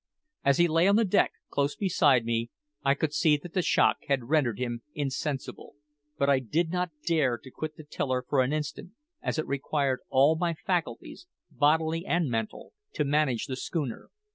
As he lay on the deck close beside me, I could see that the shock had rendered him insensible; but I did not dare to quit the tiller for an instant, as it required all my faculties, bodily and mental, to manage the schooner.